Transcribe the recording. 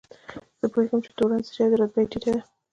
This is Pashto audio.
زه پوهېږم چې تورن څه شی دی، رتبه یې ټیټه ده.